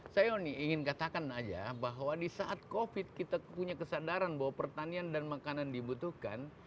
saya ingin katakan aja bahwa di saat covid kita punya kesadaran bahwa pertanian dan makanan dibutuhkan